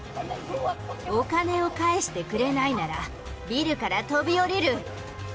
お金を返してくれないなら、ビルから飛び降りる。